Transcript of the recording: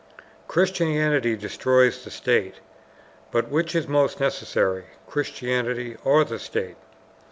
Christianity Destroys the State But Which is Most Necessary: Christianity or the State?